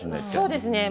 そうですね。